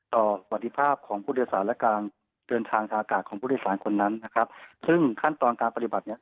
สวัสดีภาพของผู้โดยสารและการเดินทางทางอากาศของผู้โดยสารคนนั้นนะครับซึ่งขั้นตอนการปฏิบัติเนี้ย